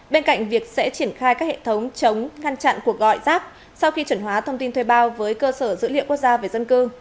bên cạnh việc sẽ triển khai các hệ thống chống ngăn chặn cuộc gọi rác sau khi chuẩn hóa thông tin thuê bao với cơ sở dữ liệu quốc gia về dân cư